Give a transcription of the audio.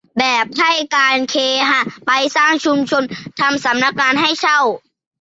แบบให้การเคหะไปสร้างชุมชน ทำสำนักงานให้เช่า